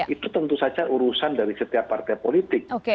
itu tentu saja urusan dari setiap partai politik